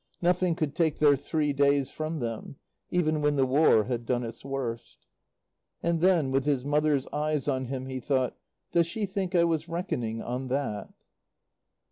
Nothing could take their three days from them, even when the War had done its worst. And then, with his mother's eyes on him, he thought: "Does she think I was reckoning on that?"